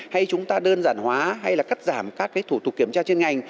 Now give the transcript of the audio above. hay chúng ta đơn giản hóa hay là cắt giảm các thủ tục kiểm tra chuyên ngành